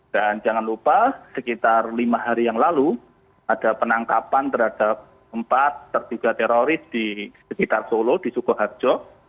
dan jangan lupa sekitar lima hari yang lalu ada penangkapan terhadap empat tertuga teroris di sekitar solo di sukoharjo